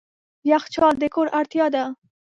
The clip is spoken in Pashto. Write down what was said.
یخچال د کور اړتیا ده.